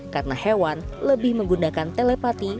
karena hewan lebih menggunakan telepati